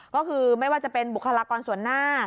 ก็คือไม่ว่าจะเป็นบุคลากรส่วนหน้า